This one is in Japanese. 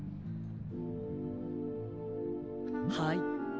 はい。